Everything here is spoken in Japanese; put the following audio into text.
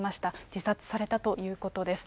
自殺されたということです。